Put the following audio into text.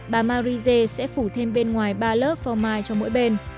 bà marie zé sẽ phủ thêm bên ngoài ba lớp phò mai cho mỗi bên